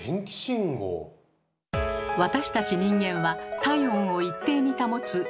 私たち人間は体温を一定に保つ恒温動物。